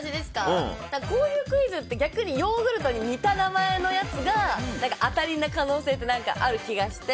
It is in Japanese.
こういうクイズって逆にヨーグルトに似た名前のやつが当たりな可能性ってある気がして。